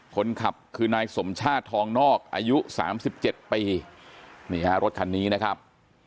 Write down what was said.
คนขับคือนายสมชาติทองนอกอายุ๓๗ปีนี่ฮะรถคันนี้นะครับ